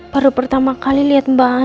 baru pertama kali liat mbak andin